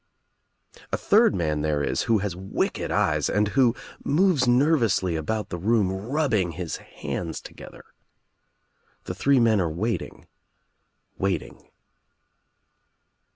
A third man there is who has wicked eyes and who moves nervously about the room rubbing his hands together. The three men are waiting — waiting.